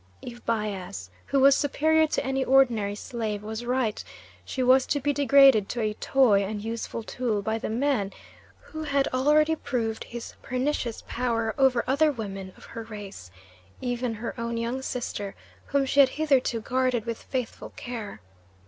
If Bias, who was superior to an ordinary slave, was right, she was to be degraded to a toy and useful tool by the man who had already proved his pernicious power over other women of her race, even her own young sister, whom she had hitherto guarded with faithful care.